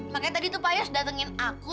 makanya tadi tuh pak yas datengin aku